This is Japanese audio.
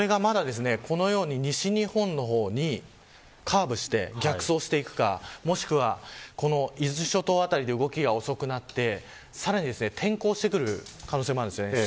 このように西日本の方にカーブして逆走していくかもしくは伊豆諸島辺りで動きが遅くなってさらに転向してくる可能性もあります。